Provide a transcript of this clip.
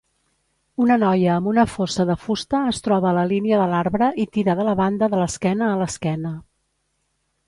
Una noia amb una fossa de fusta es troba a la línia de l'arbre i tira de la banda de l'esquena a l'esquena